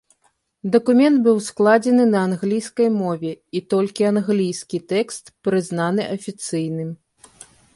Дакумент быў складзены на англійскай мове, і толькі англійскі тэкст прызнаны афіцыйным.